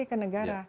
kembali ke negara